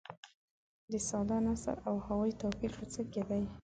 د ساده نثر او هغوي توپیر په څه کې دي.